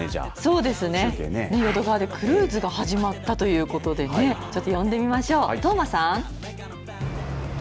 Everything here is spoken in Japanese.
そうですね、淀川でクルーズが始まったということでねちょっと呼んでみましょう。